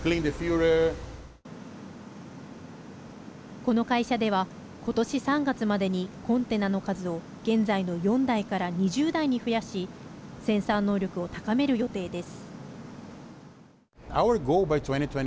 この会社では今年３月までにコンテナの数を現在の４台から２０台に増やし生産能力を高める予定です。